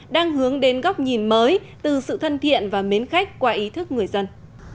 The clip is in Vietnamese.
đang hướng đến góc nhìn mới từ sự thân thiện và mến khách qua ý thức người dân